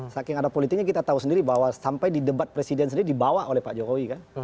saking ada politiknya kita tahu sendiri bahwa sampai di debat presiden sendiri dibawa oleh pak jokowi kan